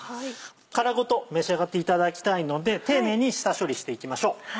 殻ごと召し上がっていただきたいので丁寧に下処理していきましょう。